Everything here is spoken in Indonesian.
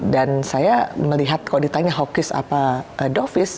dan saya melihat kalau ditanya hawkish apa dovish